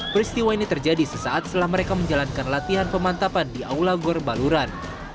peristiwa ini terjadi sesaat setelah mereka menjalankan latihan pemantapan di aula gor baluran